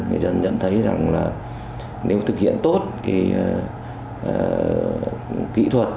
người dân nhận thấy rằng là nếu thực hiện tốt cái kỹ thuật